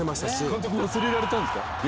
監督忘れられたんですか？